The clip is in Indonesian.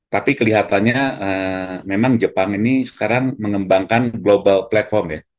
tapi kelihatannya memang jepang ini sekarang mengembangkan global platform ya